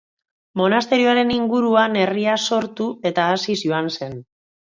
Monasterioaren inguruan herria sortu eta haziz joan zen.